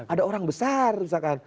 ada orang besar misalkan